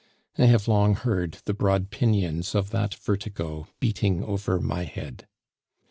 I have long heard the broad pinions of that vertigo beating over my head.